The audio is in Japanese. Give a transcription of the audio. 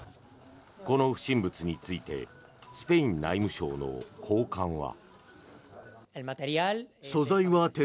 この不審物についてスペイン内務省の高官は。